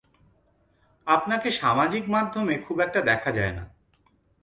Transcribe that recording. আপনাকে সামাজিক মাধ্যমে খুব একটা দেখা যায় না।